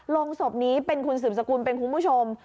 ลงศพนี้เป็นคุณสืบสกุลเป็นคุณผู้ชม